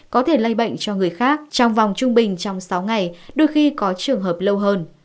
có thể lây bệnh cho người khác trong vòng trung bình trong sáu ngày đôi khi có trường hợp lâu hơn